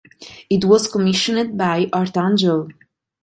It was commissioned by Artangel.